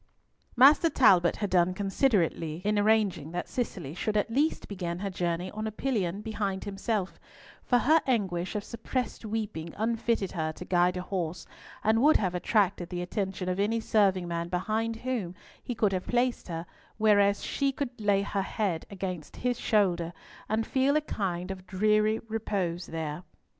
Master Talbot had done considerately in arranging that Cicely should at least begin her journey on a pillion behind himself, for her anguish of suppressed weeping unfitted her to guide a horse, and would have attracted the attention of any serving man behind whom he could have placed her, whereas she could lay her head against his shoulder, and feel a kind of dreary repose there.